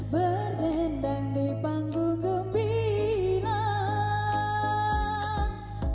berdendam di panggung ku bilang